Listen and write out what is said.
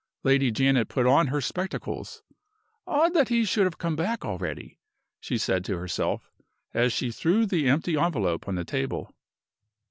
Lady Janet put on her spectacles. "Odd that he should have come back already!" she said to herself, as she threw the empty envelope on the table.